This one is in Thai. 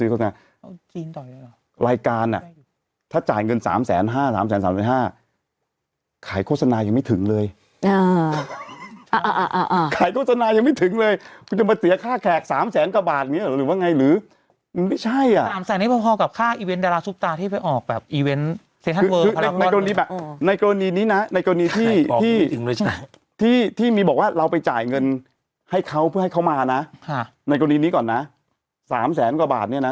ลูกสาวลูกสาวลูกสาวลูกสาวลูกสาวลูกสาวลูกสาวลูกสาวลูกสาวลูกสาวลูกสาวลูกสาวลูกสาวลูกสาวลูกสาวลูกสาวลูกสาวลูกสาวลูกสาวลูกสาวลูกสาวลูกสาวลูกสาวลูกสาวลูกสาวลูกสาวลูกสาวลูกสาวลูกสาวลูกสาวลูกสาวลูกส